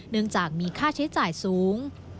เนื่องจากมีค่าใช้จ่ายสูง